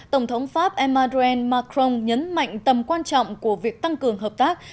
tổng thống pháp emmanuel macron nhấn mạnh tầm quan trọng của việc tăng cường hợp tác